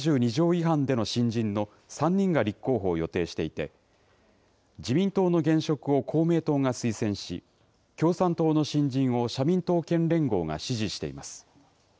違反の新人の３人が立候補を予定していて、自民党の現職を公明党が推薦し、共産党の新人を社民党県連合が支持しています。